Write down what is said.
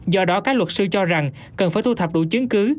do đó các luật sư cho rằng cần phải thu thập đủ chứng cứ